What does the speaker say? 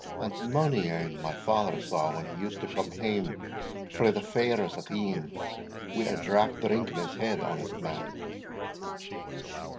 And mony ane my father saw when he used to come hame frae the fairs at e'en, wi' a drap drink in his head, honest man."